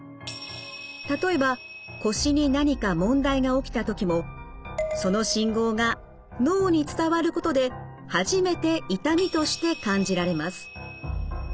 例えば腰に何か問題が起きた時もその信号が脳に伝わることで初めて痛みとして感じられます。